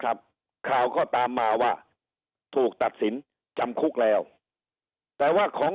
ข่าวก็ตามมาว่าถูกตัดสินจำคุกแล้วแต่ว่าของ